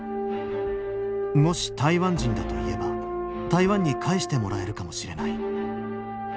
もし台湾人だと言えば台湾に帰してもらえるかもしれない。